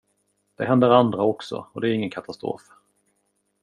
Det händer andra också, och det är ingen katastrof.